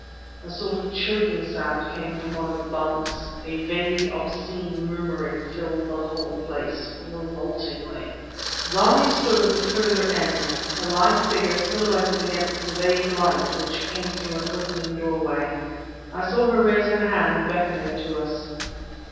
A sort of choking sound came from one of the bunks; a vague, obscene murmuring filled the whole place revoltingly. Zarmi stood at the further end, her lithe figure silhouetted against the vague light coming through an open doorway. I saw her raise her hand, beckoning to us.